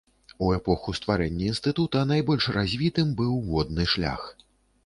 У эпоху стварэння інстытута найбольш развітым быў водны шлях.